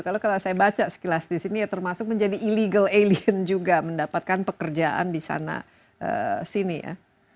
kalau saya baca sekilas di sini ya termasuk menjadi illegal alien juga mendapatkan pekerjaan di sana sini ya